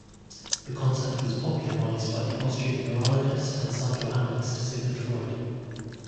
The concept was popularized by the Austrian neurologist and psychoanalyst Sigmund Freud.